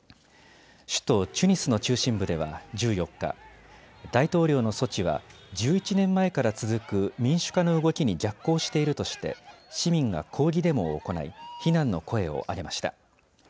首都チュニスの中心部では１４日、大統領の措置は１１年前から続く民主化の動きに逆行しているとして市民が抗議デモを行い非難の声を上げました。